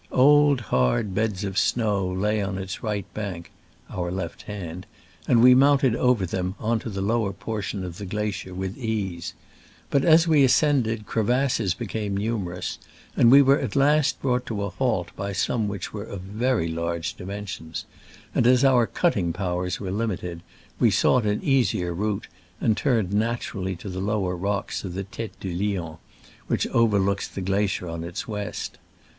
Old, hard beds of snow lay on its right bank (our left hand), and we mounted over them on to the lower portion of the gla cier with ease. But as we ascii^nded crevasses be came numerous, and we were at last \ brought to a halt \ by some which were of very W. ^\ large dimen sions ; and as JBAN ANTOINE CARREL (1869). our cutting powers were limited, we sought an easier ./ route, and turned f naturally to the lower rocks of the Tete du Lion, which overlook the glacier on its weiit.